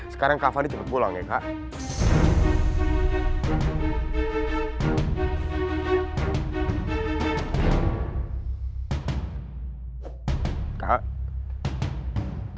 sekarang kak fani cepet pulang ya kak